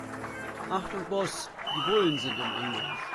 Achtung Boss, die Bullen sind im Anmarsch.